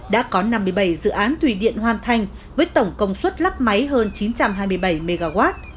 đã có năm mươi bảy dự án thủy điện hoàn thành với tổng công suất lắp máy hơn chín trăm hai mươi bảy mw